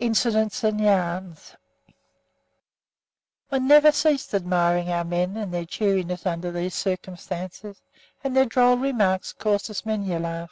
INCIDENTS AND YARNS One never ceased admiring our men, and their cheeriness under these circumstances and their droll remarks caused us many a laugh.